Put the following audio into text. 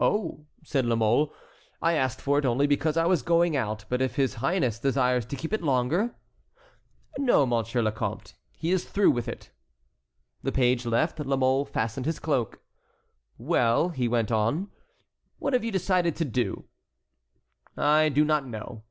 "Oh!" said La Mole, "I asked for it only because I was going out, but if his highness desires to keep it longer"— "No, Monsieur le Comte, he is through with it." The page left. La Mole fastened his cloak. "Well," he went on, "what have you decided to do?" "I do not know."